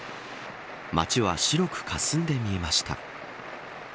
街は白くかすんで見えました。